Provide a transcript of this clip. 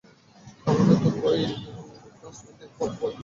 আমার নতুন বই ফ্লাশপয়েন্ট থেকে পড়তে পারবেন।